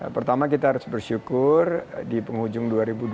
pertama kita harus bersyukur di penghujung dua ribu dua puluh